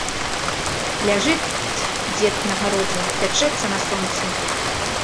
Ляжыць дзед на гародзе, пячэцца на сонцы.